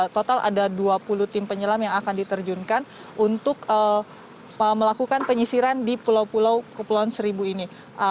total ada dua puluh tim penyelam yang akan diterjunkan untuk melakukan penyisiran di pulau pulau kepulauan seribu ini